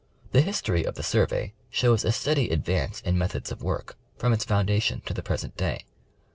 The History of the Sur vey shows a steady advance in methods of work from its foun dation to the present day.